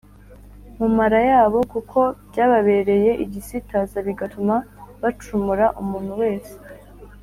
mu mara yabo kuko byababereye igisitaza bigatuma bacumura Umuntu wese